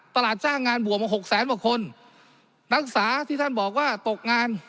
ตลาดจ้างงานบวกมาหกแสนกว่าคนนักศึกษาที่ท่านบอกว่าตกงาน